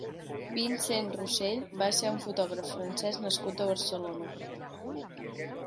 Vincent Rossell va ser un fotògraf francès nascut a Barcelona.